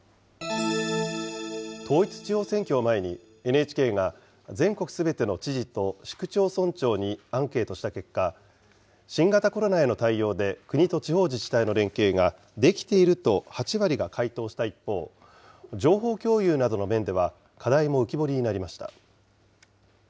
統一地方選挙を前に、ＮＨＫが全国すべての知事と市区町村長にアンケートした結果、新型コロナへの対応で国と地方自治体の連携ができていると８割が回答した一方、情報共有などの面では課題も浮き彫りになりました。